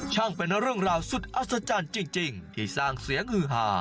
เป็นเรื่องราวสุดอัศจรรย์จริงที่สร้างเสียงฮือหา